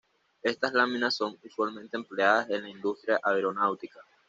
Estas láminas son usualmente empleadas en la industria aeronáutica.